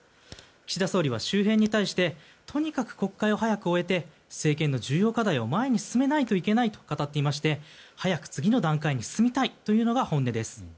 岸田総理は周辺に対してとにかく国会を早く終えて政権の重要課題を前に進めないといけないと語っていまして早く次の段階に進みたいというのが本音です。